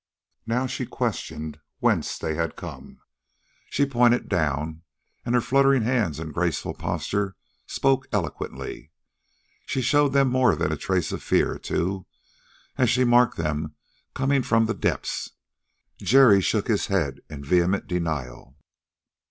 Now she questioned whence they had come. She pointed down, and her fluttering hands and graceful posture spoke eloquently. She showed them more than a trace of fear, too, as she marked them coming from the depths. Jerry shook his head in vehement denial.